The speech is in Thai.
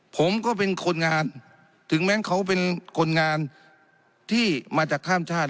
ผมก็เป็นคนงานถึงแม้เขาเป็นคนงานที่มาจากข้ามชาติ